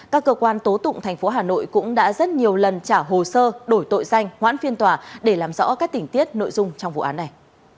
các cơ quan tố tụng thành phố hà nội cũng đã rất nhiều lần trả hồ sơ đổi tội danh hoãn phiên tòa để làm rõ các tình tiết nội dung trong vụ án này